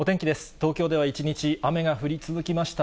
東京では一日雨が降り続きました。